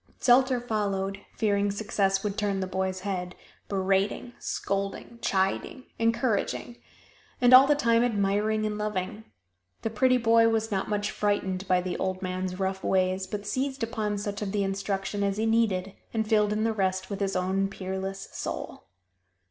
Zelter followed, fearing success would turn the boy's head berating, scolding, chiding, encouraging and all the time admiring and loving. The pretty boy was not much frightened by the old man's rough ways, but seized upon such of the instruction as he needed and filled in the rest with his own peerless soul.